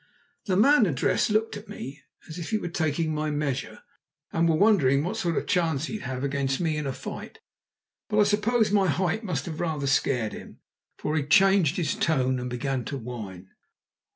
The man addressed looked at me as if he were taking my measure, and were wondering what sort of chance he'd have against me in a fight. But I suppose my height must have rather scared him, for he changed his tone and began to whine.